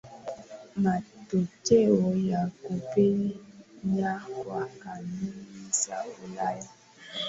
matokeo ya kupenya kwa kanuni za Ulaya